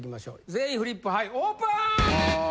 全員フリップオープン！